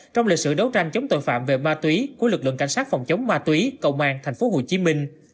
trong lịch sử đấu tranh chống tội phạm về ma túy của lực lượng cảnh sát phòng chống ma túy công an tp hcm